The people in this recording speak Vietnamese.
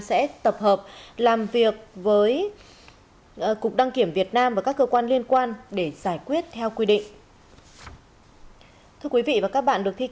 sẽ tập hợp làm việc với cục đăng kiểm việt nam và các cơ quan liên quan để giải quyết theo quy định